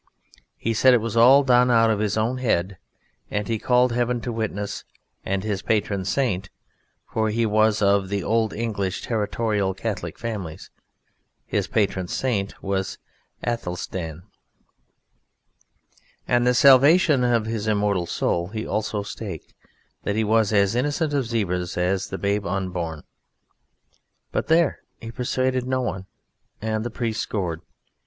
He said it was all done out of his own head, and he called heaven to witness, and his patron saint (for he was of the Old English Territorial Catholic Families his patron saint was Aethelstan), and the salvation of his immortal soul he also staked, that he was as innocent of zebras as the babe unborn. But there! He persuaded no one, and the priest scored.